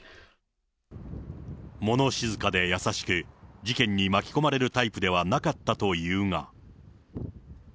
もの静かで優しく、事件に巻き込まれるタイプではなかったというが。